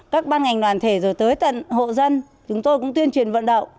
các ban ngành đoàn thể rồi tới tận hộ dân chúng tôi cũng tuyên truyền vận động